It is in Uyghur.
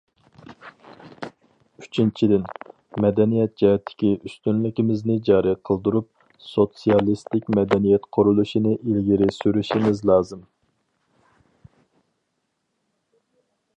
ئۈچىنچىدىن، مەدەنىيەت جەھەتتىكى ئۈستۈنلۈكىمىزنى جارى قىلدۇرۇپ، سوتسىيالىستىك مەدەنىيەت قۇرۇلۇشىنى ئىلگىرى سۈرۈشىمىز لازىم.